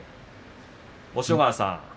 押尾川さん